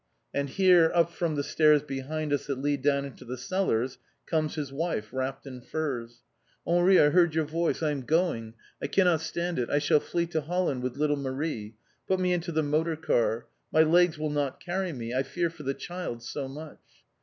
And here up from the stairs behind us that lead down into the cellars, comes his wife, wrapped in furs. "Henri, I heard your voice. I am going. I cannot stand it. I shall flee to Holland with little Marie. Put me into the motor car. My legs will not carry me. I fear for the child so much!"